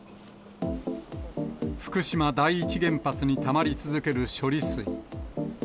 福島第一原発にたまり続ける処理水。